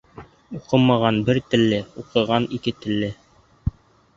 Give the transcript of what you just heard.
Уҡымаған бер телле, уҡыған ике телле.